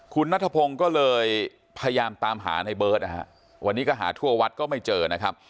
คุณนัทพงศ์ก็เลยพยายามตามหาในเบิร์ตนะฮะวันนี้ก็หาทั่ววัดก็ไม่เจอนะครับ